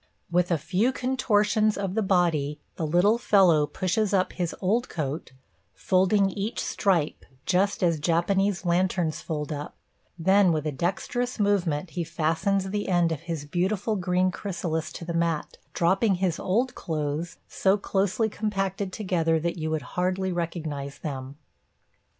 With a few contortions of the body the little fellow pushes up his old coat, folding each stripe, just as Japanese lanterns fold up, then with a dexterous movement he fastens the end of his beautiful green chrysalis to the mat, dropping his old clothes, so closely compacted together that you would hardly recognize them.